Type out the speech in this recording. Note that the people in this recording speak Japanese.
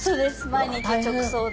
毎日直送で。